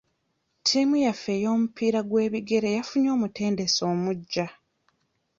Ttiimu yaffe ey'omupiira gw'ebigere yafunye omutendesi omuggya.